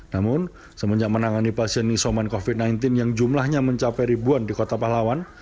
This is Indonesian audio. namun semenjak menangani pasien isoman covid sembilan belas yang jumlahnya mencapai ribuan di kota pahlawan